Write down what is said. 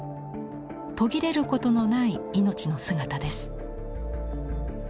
途切れることのない命の姿です。